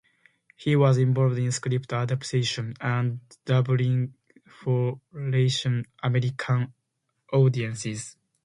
He was involved in script adaptation and dubbing for Latin American audiences.